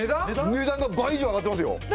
値段が倍以上上がってますよ。